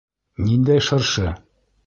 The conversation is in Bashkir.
— Ниндәй шыршы?